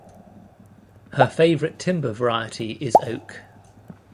Her favourite timber variety is oak.